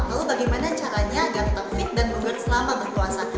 lalu bagaimana caranya agar tetap fit dan bubar selama berpuasa